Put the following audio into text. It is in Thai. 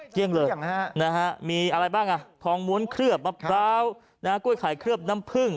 เกลี้ยงเลยนะฮะมีอะไรบ้างอ่ะทองม้วนเคลือบปะเปราน้ำกล้วยขายเคลือบน้ำพึ่ง